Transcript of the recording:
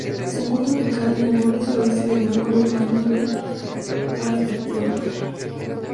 Se encuentra ubicada en el borde suroeste del núcleo urbano de Altdorf.